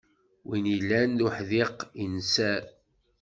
Win illan d uḥdiq, inser.